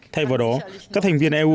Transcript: thay vào đó các thành viên eu